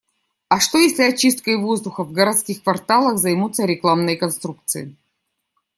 А что если очисткой воздуха в городских кварталах займутся рекламные конструкции